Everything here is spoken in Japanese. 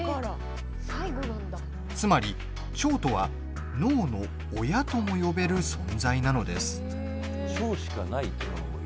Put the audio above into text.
つまり、腸とは脳の親とも呼べる存在なのです。